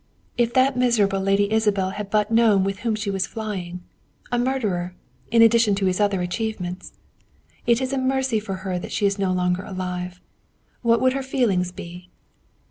If that miserable Lady Isabel had but known with whom she was flying! A murderer! In addition to his other achievements. It is a mercy for her that she is no longer alive. What would her feelings be?"